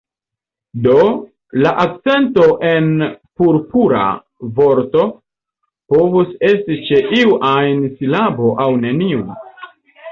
Do, la akcento en "Purpura" vorto povus esti ĉe iu ajn silabo aŭ neniu.